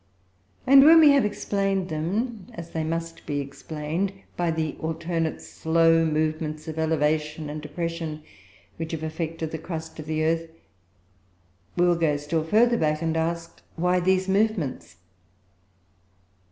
And when we have explained them as they must be explained by the alternate slow movements of elevation and depression which have affected the crust of the earth, we go still further back, and ask, Why these movements?